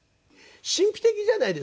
神秘的じゃないですか。